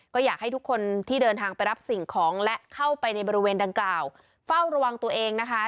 ก็อยากให้ทุกคนที่เดินทางไปรับสิ่งของและเข้าไปในบริเวณดังกล่าวเฝ้าระวังตัวเองนะคะ